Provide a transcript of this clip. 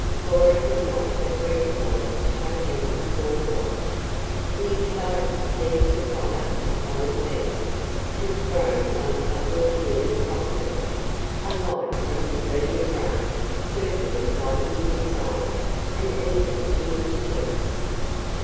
Cora could not but recognize how handsome Paul was. The excitement seemed to fire his whole being, and throw some subtle human phosphorus a light from his burning brain certainly brightened in his eyes and even in his cheeks.